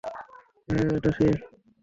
হ্যাঁ, এটা সে।